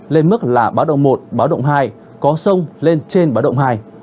lên mức là báo động một báo động hai có sông lên trên báo động hai